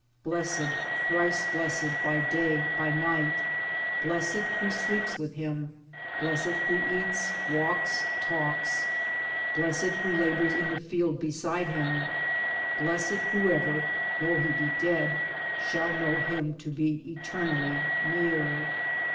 Blessed, thrice blessed, by day, by night ! Blessed who sleeps with him, blessed who eats walks talks, blessed Towards Democracy 65 who labors in the field beside him ; blessed whoever, though he be dead, shall know him to be eternally near.